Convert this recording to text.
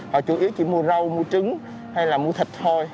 họ chủ yếu chỉ mua rau mua trứng hay là mua thịt thôi